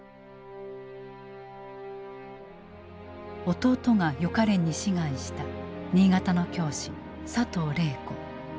弟が予科練に志願した新潟の教師佐藤禮子。